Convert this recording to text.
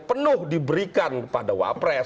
penuh diberikan pada wapres